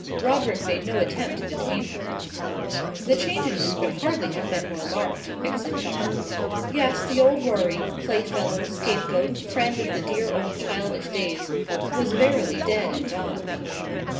Roderick made no attempt to detain her. The change in him could hardly have been more marked, Vixen thought. Yes, the old Rorie playfellow, scapegoat, friend of the dear old childish days was verily dead and gone.